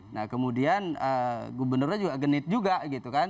nah kemudian gubernurnya juga genit juga gitu kan